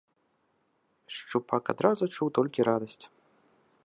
Шчупак адразу чуў толькі радасць.